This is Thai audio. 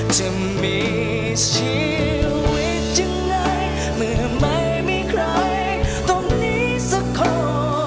จะมีชีวิตยังไงเมื่อไม่มีใครตรงนี้สักข้อ